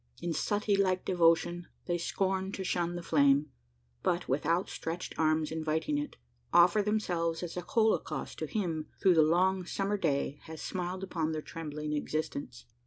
In suttee like devotion, they scorn to shun the flame; but, with outstretched arms inviting it; offer themselves as a holocaust to him who, through the long summer day, has smiled upon their trembling existence.